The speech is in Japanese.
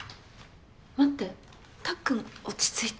待ってたっくんも落ち着いて。